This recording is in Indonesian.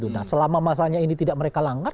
nah selama masanya ini tidak mereka langgar